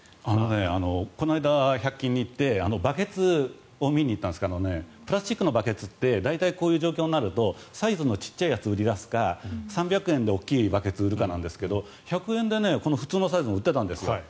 この間１００均に行ってバケツを見に行ったんですけどプラスチックのバケツって大体、こういう状況になるとサイズの小さいやつを売り出すか３００円で大きいバケツを売るかなんですが１００円で普通のサイズを売ってたんですよ。